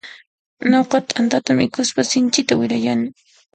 Nuqa t'antata mikhuspa sinchita wirayani.